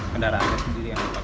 kendaraan dan pendidikan terpakai